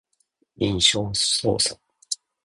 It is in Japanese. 印象操作